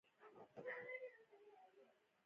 هغه مې سم وویشت او طواف لپاره روان شوو.